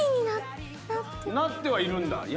なってはいるんだ。